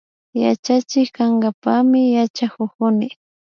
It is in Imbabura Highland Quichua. Yachachik kankapakmi yachakukuni